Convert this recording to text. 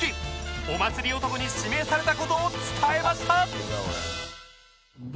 お祭り男に指名された事を伝えました